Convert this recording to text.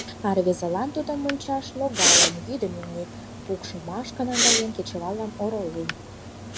А рвезылан тудым ончаш логалын: йӱдым имне пукшымашке наҥгаен, кечывалым оролен.